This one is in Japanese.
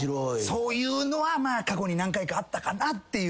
そういうのはまあ過去に何回かあったかなっていう。